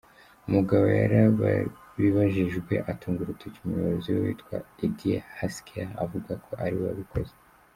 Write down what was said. Umugabo yarabibajijwe atunga urutoki umuyobozi we witwa Eddie Haskell avuga ko ari we wabikoze.